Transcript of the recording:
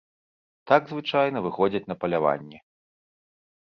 Так звычайна выходзяць на паляванне.